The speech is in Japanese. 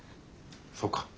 そうか。